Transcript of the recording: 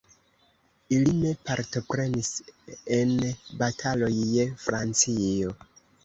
Li ne partoprenis en bataloj je Francio.